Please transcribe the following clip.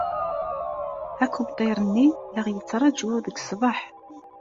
Akubṭir-nni la aɣ-yettṛaju deg ṣṣdeḥ.